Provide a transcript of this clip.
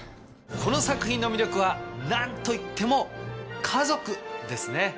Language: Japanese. この作品の魅力は何といっても家族ですね。